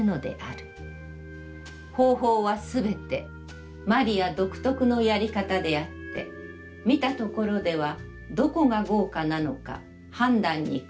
方法はすべて魔利独特の遣り方であって、見たところでは、何処が豪華なのか、判断に苦しむわけである。